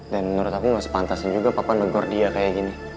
dan menurut aku gak sepantasnya juga papa negur dia kayak gini